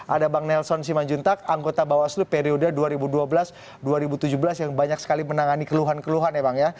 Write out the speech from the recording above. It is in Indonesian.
ada bang nelson simanjuntak anggota bawaslu periode dua ribu dua belas dua ribu tujuh belas yang banyak sekali menangani keluhan keluhan ya bang ya